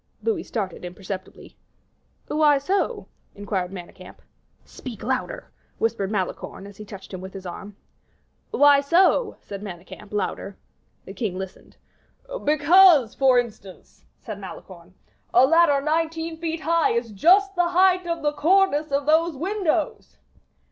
Louis started imperceptibly. "Why so?" inquired Manicamp. "Speak louder," whispered Malicorne, as he touched him with his arm. "Why so?" said Manicamp, louder. The king listened. "Because, for instance," said Malicorne, "a ladder nineteen feet high is just the height of the cornice of those windows."